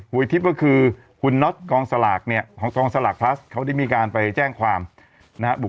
ทิพย์ก็คือคุณน็อตกองสลากเนี่ยของกองสลากพลัสเขาได้มีการไปแจ้งความนะฮะ